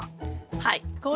はい。